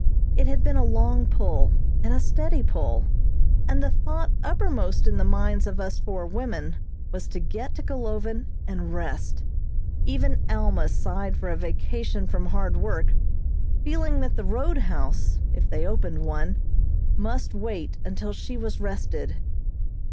It had been a long pull, and a steady pull, and the thought uppermost in the minds of us four women was to get to Golovin and rest. Even Alma sighed for a vacation from hard work, feeling that the roadhouse, if they opened one, must wait until she was rested.